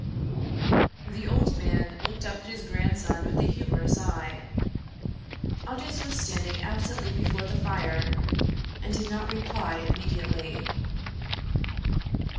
The old man looked up at his grandson with a humorous eye. Aldous was standing absently before the fire, and did not reply immediately.